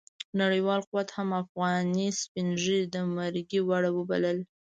نړیوال قوت هم افغاني سپين ږيري د مرګي وړ وبلل.